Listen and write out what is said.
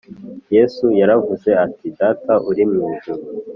Yesu yaravuze ati “Data uri mu ijuru